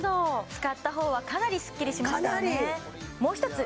使ったほうはかなりスッキリしましたよね